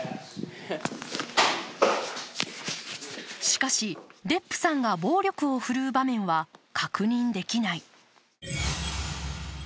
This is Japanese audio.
しかしデップさんが暴力を振るう場面は確認できない。